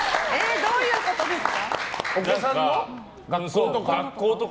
どういうことですか？